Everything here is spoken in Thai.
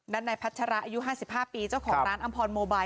นั่นในพัชราอายุ๕๕ปีเจ้าของร้านอัมพรโมไบล์